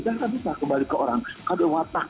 kita bisa kembali ke orang kalau watak